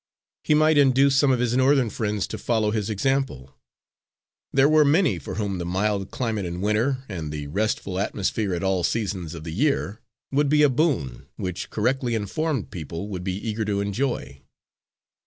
He might induce some of his Northern friends to follow his example; there were many for whom the mild climate in Winter and the restful atmosphere at all seasons of the year, would be a boon which correctly informed people would be eager to enjoy.